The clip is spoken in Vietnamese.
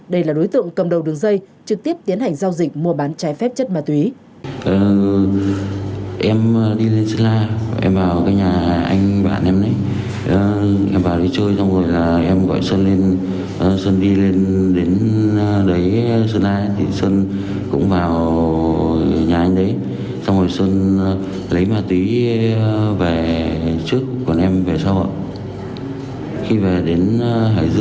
đây là đối tượng cầm đầu đường dây trực tiếp tiến hành giao dịch mua bán trái phép chất ma túy